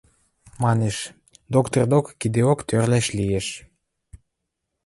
Манеш: «Доктыр докы кедеок тӧрлӓш лиэш...»